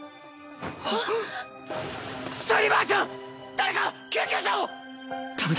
誰か救急車を！